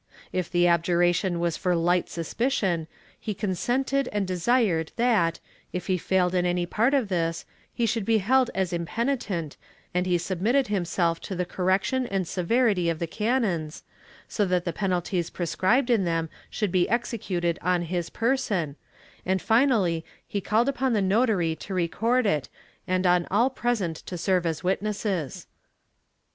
If the abjuration was for light suspicion, he consented and desired that, if he failed in any part of this, he should he held as impeni tent and he submitted himself to the correction and severity of the canons, so that the penalties prescribed in them should be executed on his person, and finally he called upon the notary to record it and on all present to serve as witnesses.